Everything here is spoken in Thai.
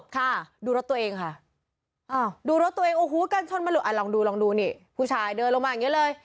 ค่ะดูรถตัวเองค่ะดูรถตัวเองโอ้โหกันชนมาหลุดอ่ะลองดูลองดูนี่ผู้ชายเดินลงมาอย่างเงี้เลย